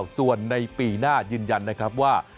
ส่วนในปีหน้ายืนยันนะครับว่า